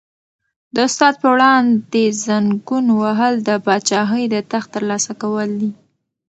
د استاد په وړاندې زنګون وهل د پاچاهۍ د تخت تر لاسه کول دي.